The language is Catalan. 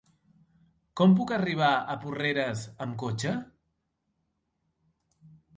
Com puc arribar a Porreres amb cotxe?